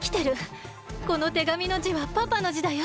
この手紙のじはパパのじだよ。